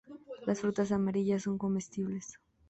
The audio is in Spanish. Las frutas amarillas son comestibles.